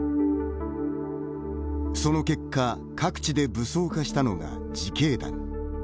その結果各地で武装化したのが自警団。